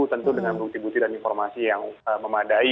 tentu dengan bukti bukti dan informasi yang memadai